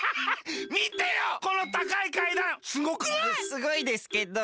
すごいですけど。